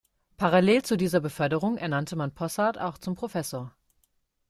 Parallel zu dieser Beförderung ernannte man Possart auch zum Professor.